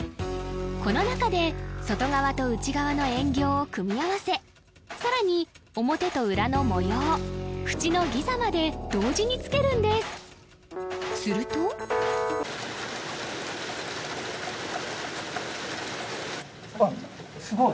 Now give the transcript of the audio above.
この中で外側と内側の円形を組み合わせさらに表と裏の模様縁のギザまで同時につけるんですするとわっすごい！